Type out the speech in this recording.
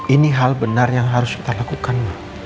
ini hal benar yang harus kita lakukan